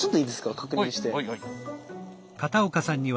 確認して。